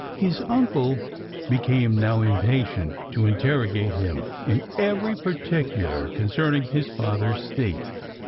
His uncle became now impatient to interrogate him in every particular concerning his father's state.